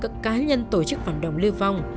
các cá nhân tổ chức phản động lưu vong